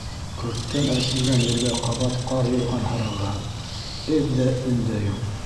Көрттән әрселгән ергә ҡабат ҡар юрған һырыған, эҙ ҙә, өн дә юҡ.